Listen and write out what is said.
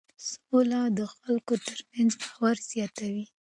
سوله د خلکو ترمنځ باور زیاتوي.